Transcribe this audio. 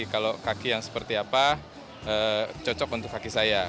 kalau kaki yang seperti apa cocok untuk kaki saya